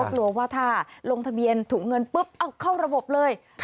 กลัวว่าถ้าลงทะเบียนถุงเงินปุ๊บเอาเข้าระบบเลย